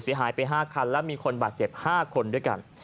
เสียหายไป๕คันและมีคนบาดเจ็บ๕คนด้วยกัน